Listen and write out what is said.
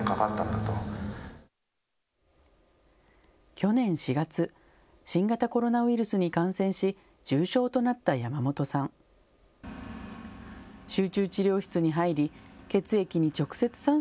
去年４月、新型コロナウイルスに感染し、重症となった山本さん。